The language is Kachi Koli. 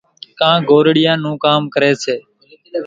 ڪانڪ گھورڙيئان نون ڪام ڪريَ سي۔